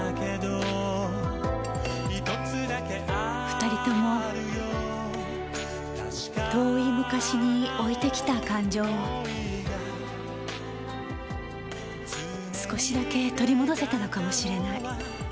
二人とも遠い昔に置いてきた感情を少しだけ取り戻せたのかもしれない。